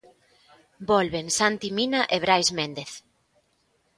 Volven Santi Mina e Brais Méndez.